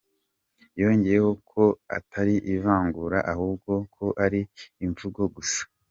" Yongeyeho ko "atari ivangura, ahubwo ko ari imvugo gusa".